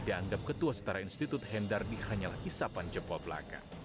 dianggap ketua setara institut hendar di hanyalah kisapan jepo belaka